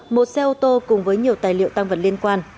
một xe ô tô cùng với nhiều tài liệu tăng vật liên quan